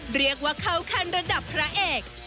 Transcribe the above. เรียกว่าเข้าขั้นระดับพระเอก